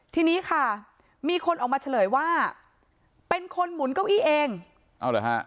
ทีนี้ค่ะมีคนออกมาเฉลยว่าเป็นคนหมุนเก้าอี้เองเอาเหรอฮะ